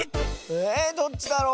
えどっちだろう？